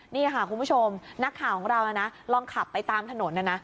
นี่ค่ะคุณผู้ชมนักข่าวของเรานะลองขับไปตามถนนนะนะ